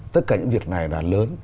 tất cả những việc này là lớn